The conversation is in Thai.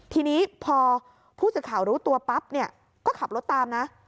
ทีนี้พอผู้สื่อข่าวรู้ตัวปั๊บเนี่ยก็ขับรถตามนะ